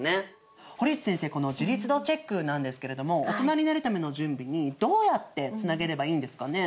堀内先生この自立度チェックなんですけれどもオトナになるための準備にどうやってつなげればいいんですかね？